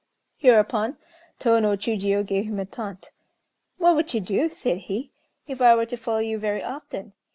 Hereupon Tô no Chiûjiô gave him a taunt: "What would you do," said he, "if I were to follow you very often?